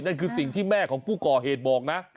นั่นคือสิ่งที่แม่ของผู้ก่อเหตุบอกนะ